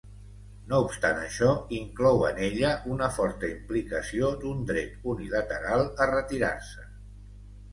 No obstant això, inclou en ella una forta implicació d'un dret unilateral a retirar-se.